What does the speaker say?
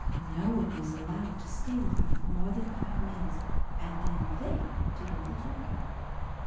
No one was allowed to stay with her for more than five minutes and then they did all the talking.